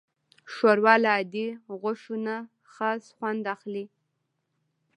ښوروا له عادي غوښو نه خاص خوند اخلي.